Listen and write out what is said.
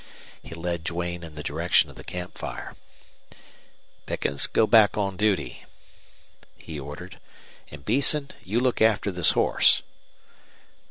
He led Duane in the direction of the camp fire. "Pickers, go back on duty," he ordered, "and, Beeson, you look after this horse."